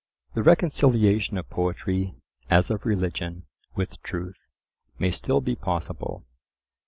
The reconciliation of poetry, as of religion, with truth, may still be possible.